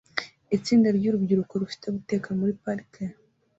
Itsinda ryurubyiruko rufite guteka muri parike